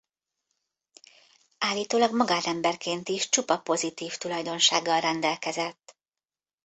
Állítólag magánemberként is csupa pozitív tulajdonsággal rendelkezett.